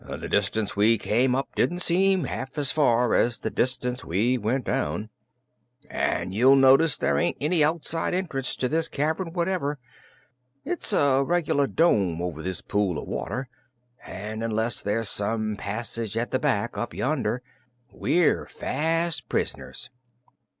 The distance we came up didn't seem half as far as the distance we went down; an' you'll notice there ain't any outside entrance to this cavern whatever. It's a reg'lar dome over this pool o' water, and unless there's some passage at the back, up yonder, we're fast pris'ners."